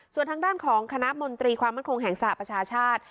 ส่วนทางด้านของคณะมนตรีความมั่นคงแห่งสหประชาชาติ